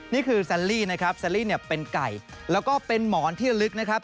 แซนลี่นะครับแซลลี่เนี่ยเป็นไก่แล้วก็เป็นหมอนที่ระลึกนะครับ